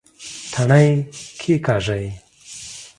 تڼي کېکاږئ